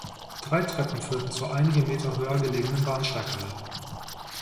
Drei Treppen führten zur einige Meter höher gelegenen Bahnsteighalle.